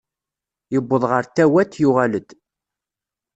Yewweḍ ɣer Tawat yuɣal-d.